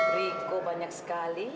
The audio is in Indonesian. riko banyak sekali